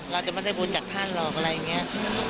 เราจะไม่ได้บุญจากท่านหรอกอะไรอย่างนี้